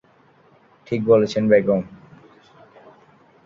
ঠিক বলেছেন, বেগম!